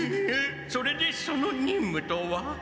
それでその任務とは？